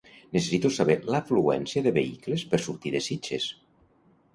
Necessito saber l'afluència de vehicles per sortir de Sitges.